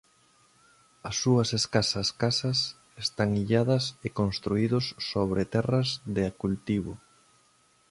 As súas escasas casas están illadas e construídos sobre terras de cultivo.